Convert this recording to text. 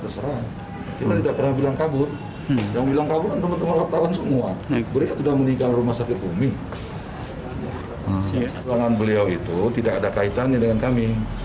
ruangan beliau itu tidak ada kaitannya dengan kami